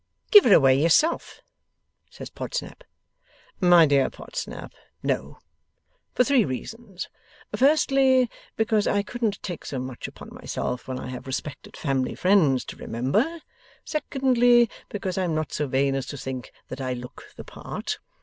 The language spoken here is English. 'Give her away yourself,' says Podsnap. 'My dear Podsnap, no. For three reasons. Firstly, because I couldn't take so much upon myself when I have respected family friends to remember. Secondly, because I am not so vain as to think that I look the part.